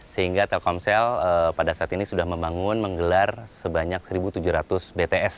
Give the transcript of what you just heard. sehingga telkomsel pada saat ini sudah membangun menggelar sebanyak satu tujuh ratus bts